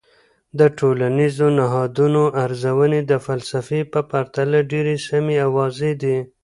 د ټولنیزو نهادونو ارزونې د فلسفې په پرتله ډیر سمی او واضح دي.